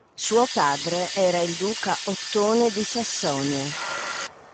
Suo padre era il Duca Ottone di Sassonia.